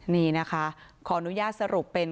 นี่นะคะขออนุญาตสรุปเป็น